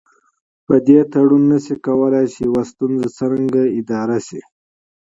په دې توافق نشي کولای چې يوه ستونزه څرنګه اداره شي.